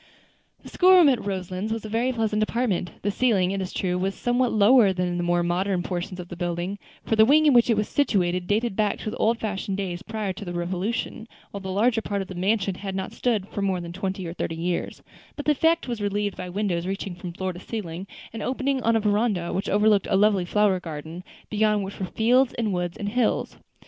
The school room at Roselands was a very pleasant apartment; the ceiling, it is true, was somewhat lower than in the more modern portion of the building, for the wing in which it was situated dated back to the old fashioned days prior to the Revolution, while the larger part of the mansion had not stood more than twenty or thirty years; but the effect was relieved by windows reaching from floor to ceiling, and opening on a veranda which overlooked a lovely flower garden, beyond which were fields and woods and hills.